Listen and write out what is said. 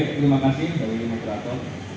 ekonomi indonesia sekarang tidak berpihak kepada